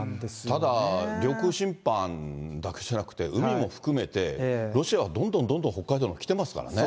ただ、領空侵犯だけじゃなくて、海も含めて、ロシアはどんどんどんどん北海道に来てますからね。